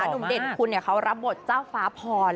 หนุ่มเด่นคุณเขารับบทเจ้าฟ้าพร